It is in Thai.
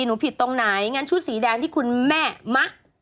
หนูผิดตรงไหนงั้นชุดสีแดงที่คุณแม่มะ